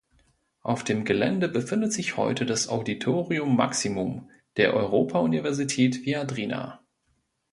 Auf dem Gelände befindet sich heute das Auditorium maximum der Europa-Universität Viadrina.